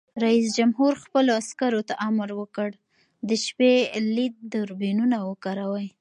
رئیس جمهور خپلو عسکرو ته امر وکړ؛ د شپې لید دوربینونه وکاروئ!